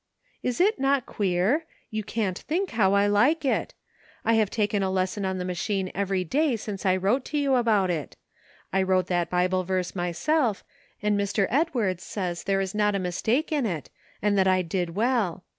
"Is it not queer? You can't think how I like it ! I have taken a lesson on the machine every day since I wrote to you about it. I wrote that Bible verse myself, and Mr. Edwards says there is not a mistake in it, and that I did well.